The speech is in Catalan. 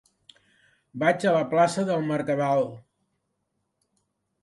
Vaig a la plaça del Mercadal.